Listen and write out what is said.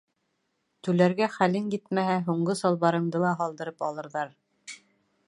Түләргә хәлең етмәһә, һуңғы салбарыңды ла һалдырып алырҙар.